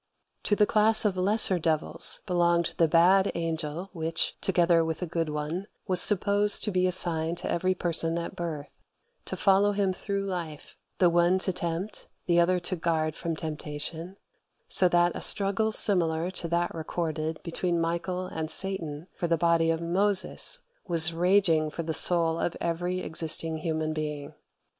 To the class of lesser devils belonged the bad angel which, together with a good one, was supposed to be assigned to every person at birth, to follow him through life the one to tempt, the other to guard from temptation; so that a struggle similar to that recorded between Michael and Satan for the body of Moses was raging for the soul of every existing human being.